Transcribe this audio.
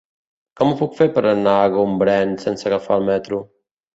Com ho puc fer per anar a Gombrèn sense agafar el metro?